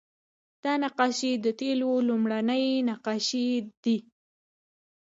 دا نقاشۍ د تیلو لومړنۍ نقاشۍ دي